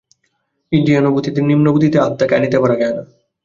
ইন্দ্রিয়ানুভূতির নিম্নভূমিতে আত্মাকে আনিতে পারা যায় না।